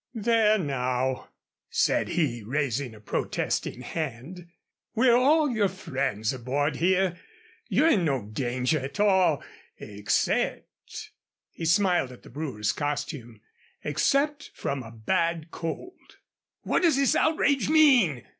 "There now," said he, raising a protesting hand, "we're all your friends aboard here. You're in no danger at all, except " he smiled at the brewer's costume "except from a bad cold." "What does this outrage mean?"